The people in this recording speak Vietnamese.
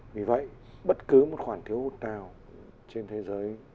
vì vậy bất cứ một khoản thiếu hụt nào trên thế giới